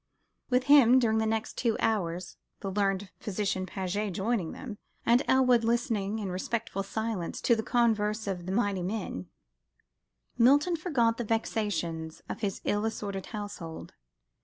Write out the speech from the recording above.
With him, during the next two hours the learned physician Paget joining them, and Elwood listening in respectful silence to the converse of these mighty men Milton forgot the vexations of his ill assorted household.